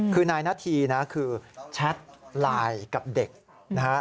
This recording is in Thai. คือนายนาธีนะคือแชทไลน์กับเด็กนะฮะ